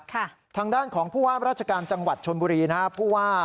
ข้างด้านของผู้ว่าราชกรรมจังหวัดชลบุรีนะฮะ